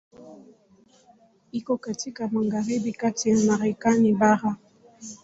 Iko katika magharibi kati ya Marekani bara.